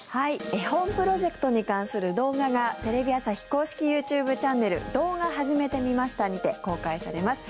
絵本プロジェクトに関する動画がテレビ朝日公式ＹｏｕＴｕｂｅチャンネル「動画、はじめてみました」にて公開されます。